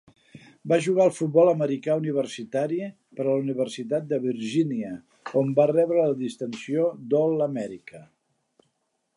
Va jugar al futbol americà universitari per a la Universitat de Virgínia, on va rebre la distinció d'All-America.